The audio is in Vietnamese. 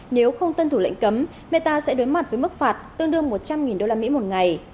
nếu không tuân thủ lệnh cấm meta sẽ đối mặt với mức phạt tương đương một trăm linh usd một ngày